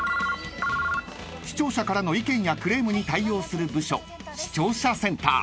☎［視聴者からの意見やクレームに対応する部署視聴者センター］